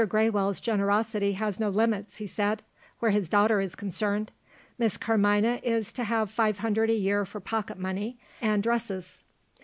Graywell's generosity has no limits," he said, "where his daughter is concerned. Miss Carmina is to have five hundred a year for pocket money and dresses."